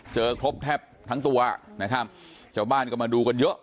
ครบแทบทั้งตัวนะครับชาวบ้านก็มาดูกันเยอะ